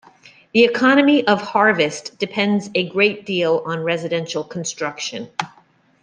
The economy of Harvest depends a great deal on residential construction.